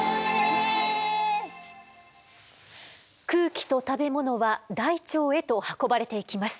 空気と食べ物は大腸へと運ばれていきます。